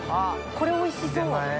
これおいしそう。